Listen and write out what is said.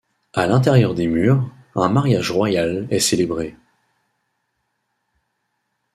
À l'intérieur des murs, un mariage royal est célébré.